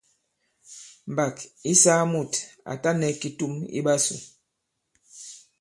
Mbàk ǐ saa mùt à ta nɛ kitum i ɓasū.